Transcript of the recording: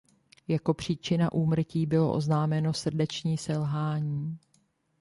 Jako příčina úmrtí bylo oznámeno srdeční selhání.